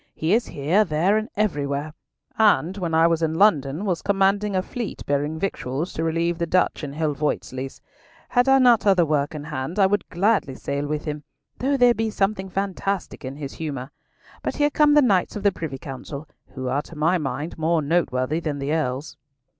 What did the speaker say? He is here, there, and everywhere; and when I was in London was commanding a fleet bearing victuals to relieve the Dutch in Helvoetsluys. Had I not other work in hand, I would gladly sail with him, though there be something fantastic in his humour. But here come the Knights of the Privy Council, who are to my mind more noteworthy than the Earls."